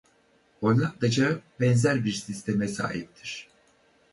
Hollandaca benzer bir sisteme sahiptir.